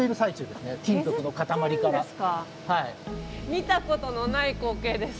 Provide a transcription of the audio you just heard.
見たことのない光景です。